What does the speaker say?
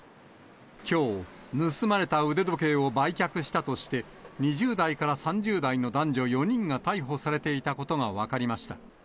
きょう、盗まれた腕時計を売却したとして、２０代から３０代の男女４人が逮捕されていたことが分かりました。